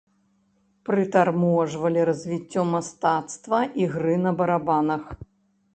Прытарможвалі развіццё мастацтва ігры на барабанах.